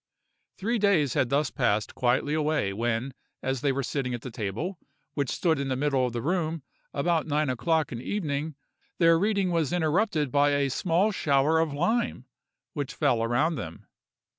Three days had thus passed quietly away, when, as they were sitting at the table, which stood in the middle of the room, about nine o'clock in the evening, their reading was interrupted by a small shower of lime which fell around them.